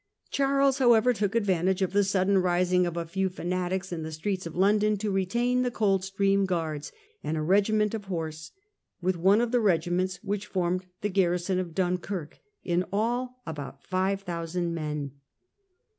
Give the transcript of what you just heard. Charles however took advantage of the sudden rising of a few fanatics in the streets of London to retain the Coldstream Guards and a regiment of horse, with one of the regiments which formed the garrison of Dunkirk, in all about 5,000 men.